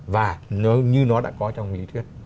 và như nó đã có trong nghĩa thuyết